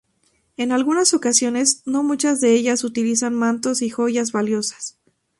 En algunas ocasiones, no muchas de ellas, utilizan mantos y joyas valiosas.